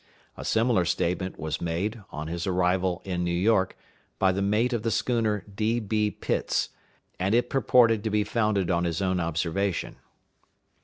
A similar statement was made, on his arrival in New York, by the mate of the schooner D.B. Pitts, and it purported to be founded on his own observation.